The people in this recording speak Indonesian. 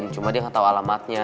cuma dia tau alamatnya